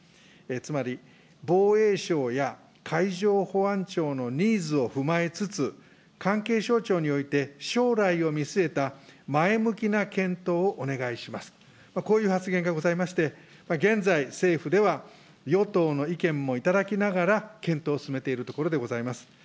つまり、防衛省や海上保安庁のニーズを踏まえつつ、関係省庁において、将来を見据えた前向きな検討をお願いします、こういう発言がございまして、現在、政府では与党の意見も頂きながら、検討を進めているところでございます。